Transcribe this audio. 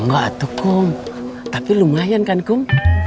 tidak kum tapi lumayan kan kum